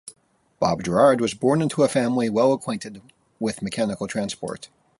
Bob Gerard was born into a family well acquainted with mechanical transport.